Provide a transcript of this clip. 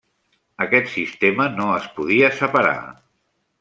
Aquest sistema no es podia separar.